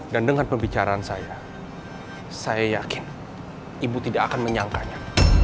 dan dengan pembicaraan saya saya yakin ibu tidak akan menyangkanya